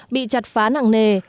bị chặt phá nặng nề